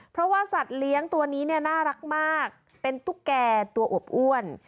เพราะว่าสัตว์เลี้ยงตัวนี้เนี่ยน่ารักมากเป็นตุ๊กแก่ตัวอบอ้วน